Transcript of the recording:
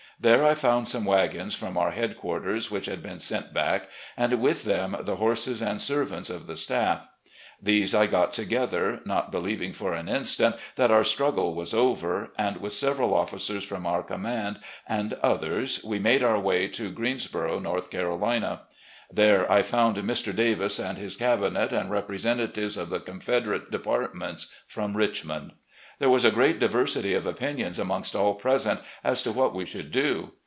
There I found some wagons from our headquarters which had been sent back, and with them the horses and servants of the staff. These I got together, not believing for an instant that our struggle was over, and, with several officers from our command and others, we made our way to Greens boro, North Carolina. There I fotmd Mr. Davis and his cabinet and representatives of the Confederate depart ments from Richmond. There was a great diversity of opinion amongst all present as to what we should do.